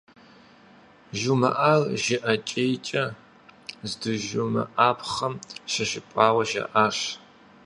Жумыӏар жыӏэкӏейкӏэ здыжумыӏапхъэм щыжыпӏауэ жаӏащ.